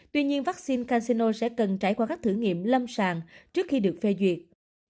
tuy nhiên vaccine casino sẽ cần trải qua các thử nghiệm lâm sàng trước khi được phê duyệt